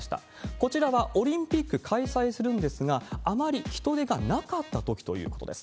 こちらはオリンピック開催するんですが、あまり人出がなかったときということです。